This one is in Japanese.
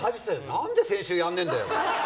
何で先週やらねえんだよ！